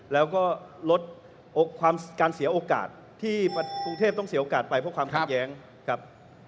แล้วก็ลดการเสียโอกาสที่กรุงเทพต้องเสียโอกาสไปเพราะความขัดแย้งครับ